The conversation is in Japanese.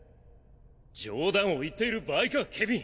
冗談を言っている場合かケビン。